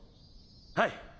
はい。